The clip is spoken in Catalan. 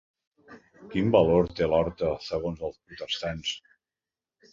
Quin valor té l'horta segons els protestants?